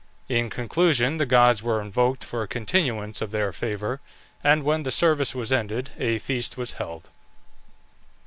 In conclusion, the gods were invoked for a continuance of their favour, and when the service was ended a feast was held.